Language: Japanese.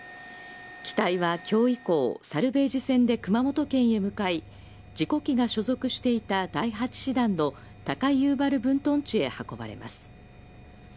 機体は今日以降サルベージ船で熊本県へ向かい事故機が所属していた第８師団の高遊原分屯地へ運ばれます。